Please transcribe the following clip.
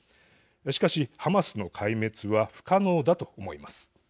しかし、ハマスの壊滅は不可能だと思います。